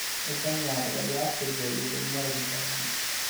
È bagnata dalle acque gelide del Mare di Barents.